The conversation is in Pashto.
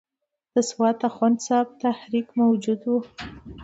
د سوات د اخوند صاحب تحریک موجود وو.